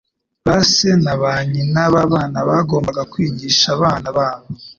Ba se na ba nyina b'abana bagombaga kwigisha abana babo